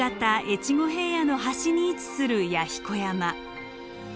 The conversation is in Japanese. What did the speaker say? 越後平野の端に位置する弥彦山。